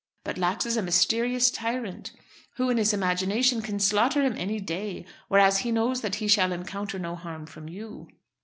But Lax is a mysterious tyrant, who in his imagination can slaughter him any day; whereas he knows that he shall encounter no harm from you.